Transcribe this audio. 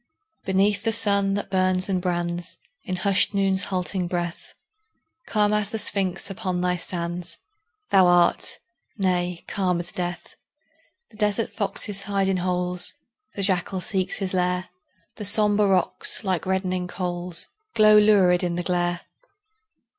Beneath the sun that burns and brands In hushed Noon's halting breath, Calm as the Sphinx upon thy sands Thou art nay, calm as death. The desert foxes hide in holes, The jackal seeks his lair; The sombre rocks, like reddening coals, Glow lurid in the glare.